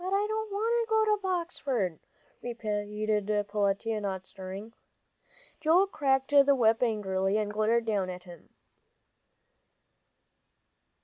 "I don't want to go to Boxford," repeated Peletiah, not stirring. Joel cracked the whip angrily, and glared down at him.